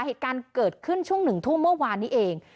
เหตุการณ์เกิดขึ้นช่วง๑ทุ่มเมื่อวานนี้เอง